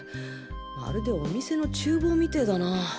まるでお店の厨房みてぇだな。